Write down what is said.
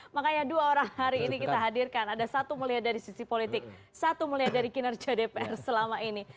makanya dua orang hari ini kita hadirkan ada satu melihat dari sisi politik satu melihat dari kinerja dpr selama ini